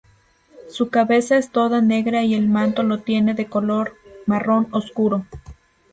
Su cabeza es toda negra y el manto lo tiene de color marrón oscuro.